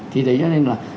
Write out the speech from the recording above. thì đấy cho nên là